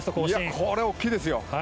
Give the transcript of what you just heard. これは大きいですよ。